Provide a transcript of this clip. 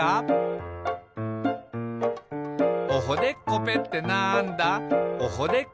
「おほでっこぺってなんだ？」